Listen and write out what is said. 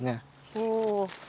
おお。